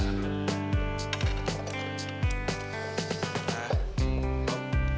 nah kata ketuhan lu kayak gini